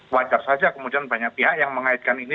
wajar saja kemudian banyak pihak yang mengaitkan ini